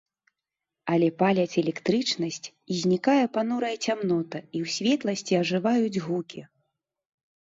Але паляць электрычнасць, і знікае панурая цямнота, і ў светласці ажываюць гукі.